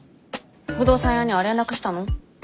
不動産屋には連絡したの？